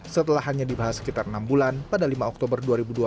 setelah hanya dibahas sekitar enam bulan pada lima oktober dua ribu dua puluh